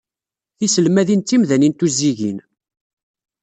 Tiselmadin d timdanin tuzzigin.